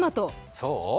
そう？